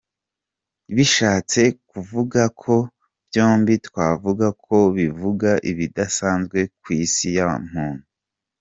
Bishatse kuvuga ko byombi twavuga ko bivuga ibidasanzwe ku isi ya muntu.